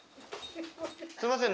すいません。